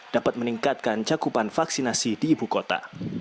dapat meningkatkan cakupan vaksinasi di ibu kota